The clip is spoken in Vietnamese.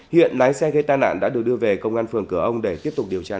hiện lái xe gây tai nạn đã được đưa về công an phường cửa ông để tiếp tục điều tra làm